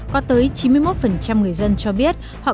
có tới chín mươi một người dân cho biết họ có thể tìm ra những vấn đề này